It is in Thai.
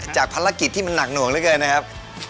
จากภารกิจที่มันหนักหนวงแล้วกันนะครับ